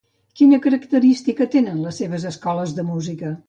Quina característica tenen les seves escoles de música?